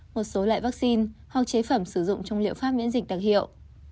một số loại vaccine hoặc chế phẩm sử dụng trong liệu pháp miễn dịch đặc hiệu